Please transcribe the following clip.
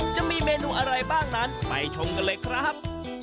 จะมีเมนูอะไรบ้างนั้นไปชมกันเลยครับ